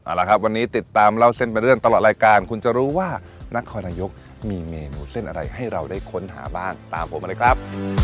เอาละครับวันนี้ติดตามเล่าเส้นเป็นเรื่องตลอดรายการคุณจะรู้ว่านครนายกมีเมนูเส้นอะไรให้เราได้ค้นหาบ้างตามผมมาเลยครับ